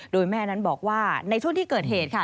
โดยแม่นั้นบอกว่าในช่วงที่เกิดเหตุค่ะ